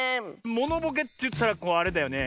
モノボケといったらあれだよね。